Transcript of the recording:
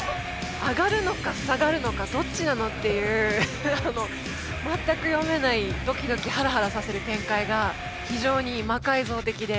上がるのか下がるのかどっちなのっていうあの全く読めないドキドキハラハラさせる展開が非常に魔改造的で。